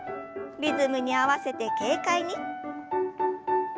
リズムに合わせて軽快に。